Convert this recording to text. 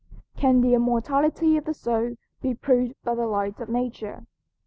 CAN THE IMMORTALITY OF THE SOUL BE PROVED BY THE LIGHT OF NATURE?